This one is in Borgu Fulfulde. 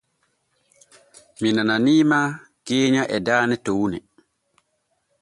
Mi nananiima keenya e daane towne.